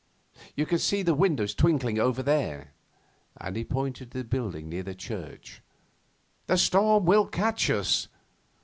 You can see the windows twinkling over there,' and he pointed to a building near the church. 'The storm will catch us.